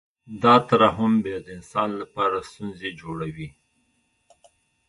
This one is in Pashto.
دا ترحم بیا د انسان لپاره ستونزې جوړوي